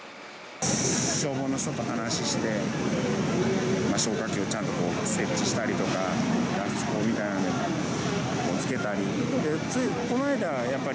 消防の人と話して、消火器をちゃんと設置したりとか、脱出口みたいなものをつけたり。